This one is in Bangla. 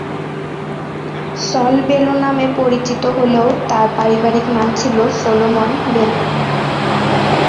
সল বেলো নামে পরিচিত হলেও তার পারিবারিক নাম ছিলো সলোমন বেলো।